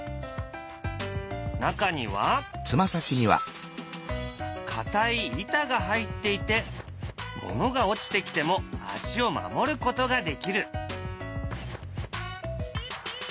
中にはかたい板が入っていて物が落ちてきても足を守ることができる。